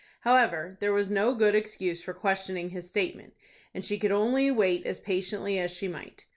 However, there was no good excuse for questioning his statement, and she could only wait as patiently as she might.